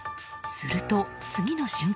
すると次の瞬間。